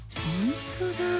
ほんとだ